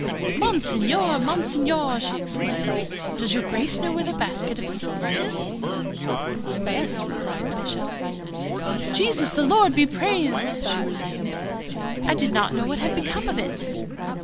"Monseigneur, Monseigneur!" she exclaimed, "does your Grace know where the basket of silver is?" "Yes," replied the Bishop. "Jesus the Lord be blessed!" she resumed; "I did not know what had become of it."